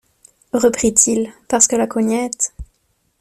reprit-il, parce que la Cognette…